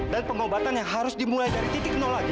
dan pengobatan yang harus dimulai dari titik null lagi